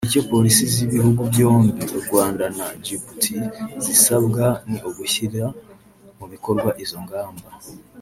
Icyo Polisi z’Ibihugu byombi (U Rwanda na Djibouti) zisabwa ni ugushyira mu bikorwa izo ngamba